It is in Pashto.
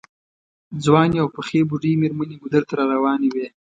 ځوانې او پخې بوډۍ مېرمنې ګودر ته راروانې وې.